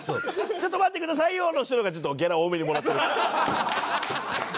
「ちょっと待ってくださいよ！」の人の方がギャラ多めにもらってる。